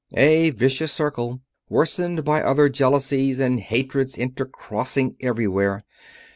A vicious circle, worsened by other jealousies and hatreds intercrossing everywhere.